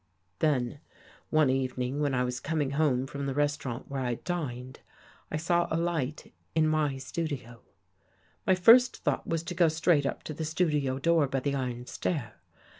35 THE GHOST GIRL Then one evening when I was coming home from the restaurant where I'd dined, I saw a light in my studio. My first thought was to go straight up to the studio door by the iron stair.